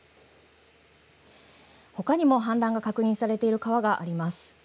ほかにも氾濫が確認されている川があります。